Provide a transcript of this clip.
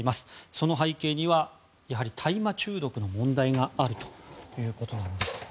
その背景にはやはり大麻中毒の問題があるということなんです。